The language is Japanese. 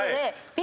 Ｂ